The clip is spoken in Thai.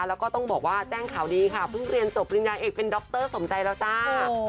แล้วก็ต้องบอกว่าแจ้งข่าวดีค่ะเพิ่งเรียนจบปริญญาเอกเป็นดรสมใจแล้วจ้า